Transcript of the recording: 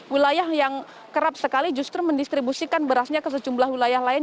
wilayah yang kerap sekali justru mendistribusikan berasnya ke sejumlah wilayah lain